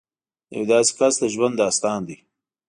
د یو داسې کس د ژوند داستان دی